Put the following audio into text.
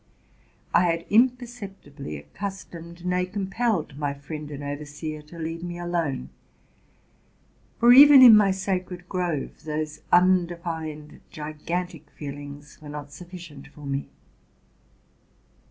I had imperceptibly accustomed, nay, compelled, my friend and overseer to leave me alone; for, even in my sacred grove, those undefined, gigantic feelings were not sufficient for me.